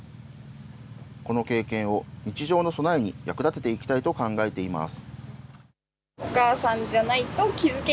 この経験を日常の備えに役立てていきたいと考えています。